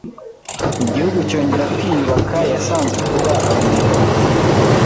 Igihugu cyongera kwiyubaka, yasanze kuba Abanyarwanda